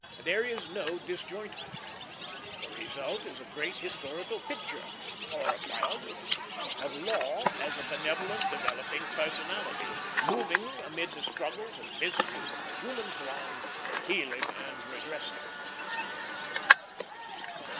There is no disjointment. The result is a great historical picture; or a biography, of law as a benevolent developing personality, moving amid the struggles and miseries of the human throng, healing and redressing.